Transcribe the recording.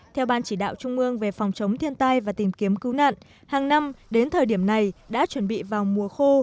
theo ban chỉ đạo trung ương về phòng chống thiên tai và tìm kiếm cứu nạn hàng năm đến thời điểm này đã chuẩn bị vào mùa khô